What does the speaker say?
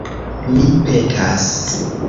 Mi petas!